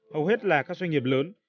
hầu hết là các doanh nghiệp lớn